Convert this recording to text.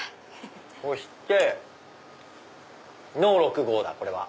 そして農６号だこれは。